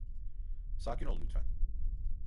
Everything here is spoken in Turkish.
Sakin ol lütfen.